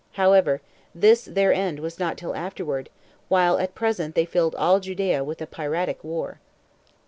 However, this their end was not till afterward, while at present they filled all Judea with a piratic war.